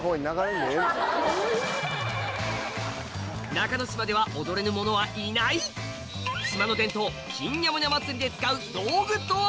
中ノ島では踊れぬ者はいない⁉島の伝統キンニャモニャ祭りで使う道具とは？